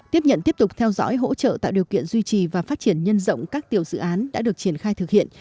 tiếp nhận tiếp tục theo dõi hỗ trợ tạo điều kiện duy trì và phát triển nhân rộng các tiểu dự án đã được triển khai thực hiện